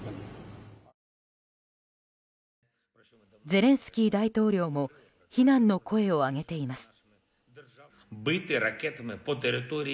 ゼレンスキー大統領も非難の声を上げています。